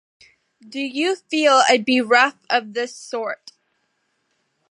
Do you feel a 'Beruf' of this sort?